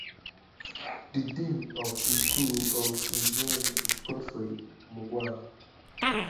The Dean of the School of Engineering is Godfrey Mungal.